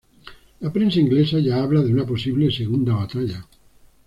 La prensa inglesa ya habla de una posible "segunda batalla".